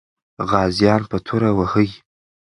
غازیان به توره وهي.